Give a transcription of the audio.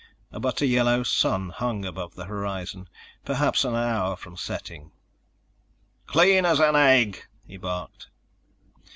A butter yellow sun hung above the horizon, perhaps an hour from setting. "Clean as an egg!" he barked.